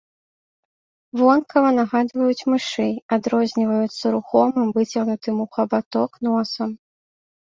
Вонкава нагадваюць мышэй, адрозніваюцца рухомым, выцягнутым у хабаток носам.